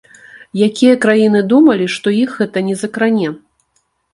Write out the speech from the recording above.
Якія краіны думалі, што іх гэта не закране.